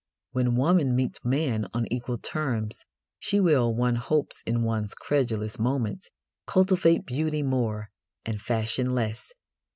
When woman meets man on equal terms she will, one hopes in one's credulous moments, cultivate beauty more and fashion less.